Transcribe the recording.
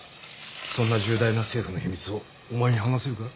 そんな重大な政府の秘密をお前に話せるか？